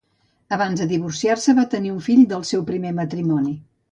Abans de divorciar-se, va tenir un fill del seu primer matrimoni.